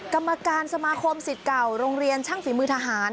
กรรมการสมาคมสิทธิ์เก่าโรงเรียนช่างฝีมือทหาร